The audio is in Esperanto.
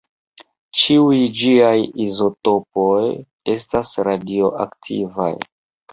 Ĉiuj ĝiaj izotopoj estas radioaktivaj.